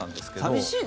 寂しい。